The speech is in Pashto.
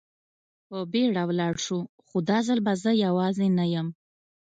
په بېړه ولاړ شو، خو دا ځل به زه یوازې نه یم.